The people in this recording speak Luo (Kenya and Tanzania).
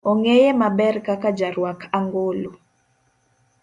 Ong'eye maber kaka jaruak angolo.